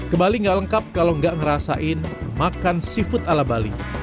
ke bali nggak lengkap kalau nggak ngerasain makan seafood ala bali